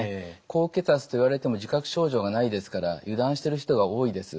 高血圧と言われても自覚症状がないですから油断してる人が多いです。